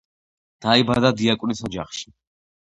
დაიბადა დიაკვნის ოჯახში.